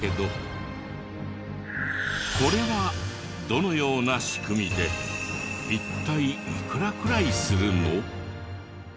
これはどのような仕組みで一体いくらくらいするの？